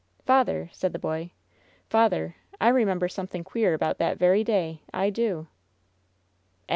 "Father," said the boy — "father, I remember some thing queer about that very day — I do."